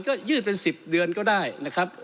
ก็ยืดเป็น๑๐เดือนก็ได้นะครับ